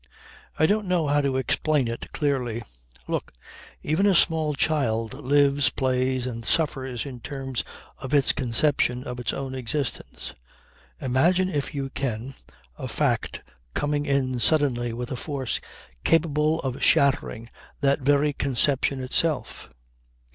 I don't know how to explain it clearly. Look! Even a small child lives, plays and suffers in terms of its conception of its own existence. Imagine, if you can, a fact coming in suddenly with a force capable of shattering that very conception itself.